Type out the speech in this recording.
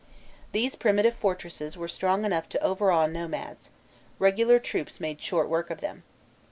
These primitive fortresses were strong enough to overawe nomads; regular troops made short work of them.